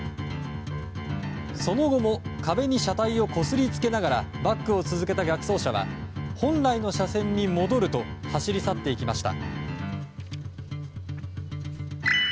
その後も壁に車体をこすりつけながらバックを続けた逆走車は本来の車線に戻ると走り去っていきました。